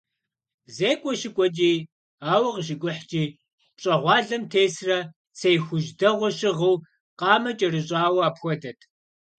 Зекӏуэ щыкӏуэкӏи, ауэ къыщикӏухькӏи, пщӏэгъуалэм тесрэ цей хужь дэгъуэ щыгъыу, къамэ кӏэрыщӏауэ апхуэдэт.